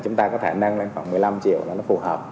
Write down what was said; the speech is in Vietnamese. chúng ta có thể nâng lên khoảng một mươi năm triệu là nó phù hợp